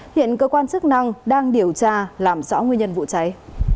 hiện cơ quan chức năng đang điều tra làm rõ nguyên nhân vụ cháy